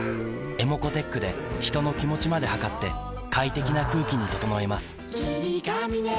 ｅｍｏｃｏーｔｅｃｈで人の気持ちまで測って快適な空気に整えます